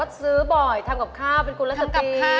เราก็ทำกินเอง